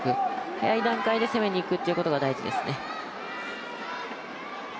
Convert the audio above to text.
早い段階で攻めにいくってことが大事ですね。